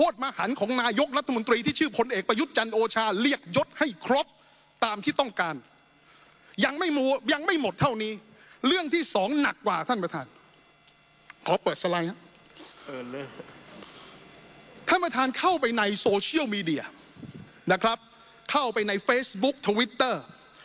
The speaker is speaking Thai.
ท่านประธานเข้าไปในโซเชียลมีเดียนะครับเข้าไปในเฟซบุ๊คทวิตเตอร์